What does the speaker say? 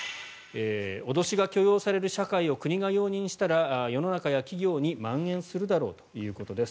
脅しが許容される社会を国が容認したら世の中や企業にまん延するだろうということです。